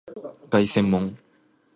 凱旋門